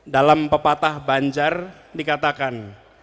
dalam pepatah banjar dikatakan